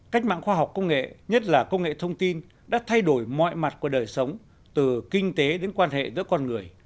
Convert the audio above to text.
cách mạng khoa học công nghệ nhất là công nghệ thông tin đã thay đổi mọi mặt của đời sống từ kinh tế đến quan hệ giữa con người